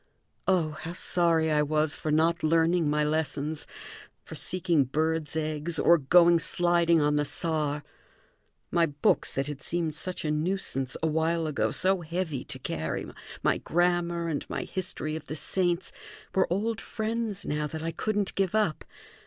Oh, how sorry I was for not learning my lessons, for seeking birds' eggs, or going sliding on the Saar! My books, that had seemed such a nuisance a while ago, so heavy to carry, my grammar, and my history of the saints, were old friends now that I couldn't give up.